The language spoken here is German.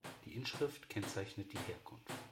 Die Inschrift kennzeichnet die Herkunft.